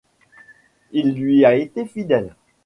Il lui a été fidèle.